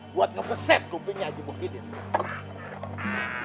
buat lo keset kupingnya haji muhyiddin